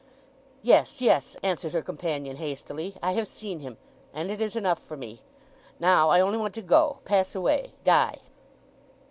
"Yes, yes," answered her companion hastily. "I have seen him, and it is enough for me! Now I only want to go—pass away—die."